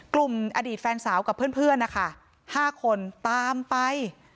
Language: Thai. กลุ่มอดีตแฟนสาวกับเพื่อนนะคะ๕คนตามไป